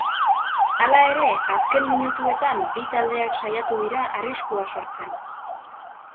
Hala ere, azken minutuetan bi taldeak saiatu dira arriskua sortzen.